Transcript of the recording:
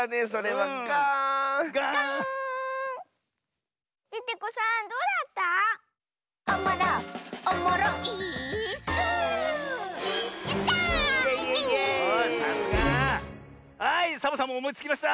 はいサボさんもおもいつきました！